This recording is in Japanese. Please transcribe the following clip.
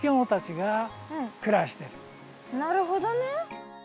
なるほどね。